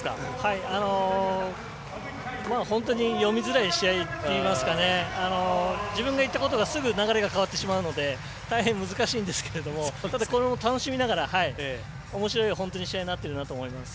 本当に読みづらい試合といいますか自分が言ったことがすぐに流れが変わってしまって大変、難しいんですけどこれも楽しみながらおもしろい試合になってるなと思います。